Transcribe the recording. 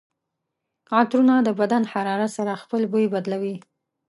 عطرونه د بدن حرارت سره خپل بوی بدلوي.